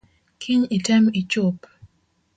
Kiny item ichop.